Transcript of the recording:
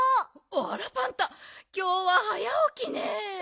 あらパンタきょうは早おきね。